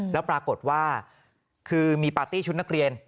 แล้วปรากฏว่าคือมีปาร์ตี้ชุดนักเรียน